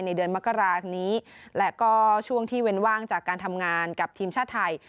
เดือนมกราคมนี้และก็ช่วงที่เว้นว่างจากการทำงานกับทีมชาติไทย